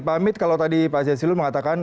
pak hamid kalau tadi pak jazilul mengatakan